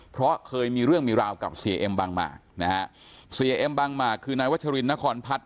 เพราะเคยมีเรื่องมีราวกับเสียเอ็มบางมากนะฮะเสียเอ็มบางหมากคือนายวัชรินนครพัฒน